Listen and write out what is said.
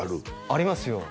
ありますよ